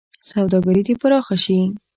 سوداګري دې پراخه شي.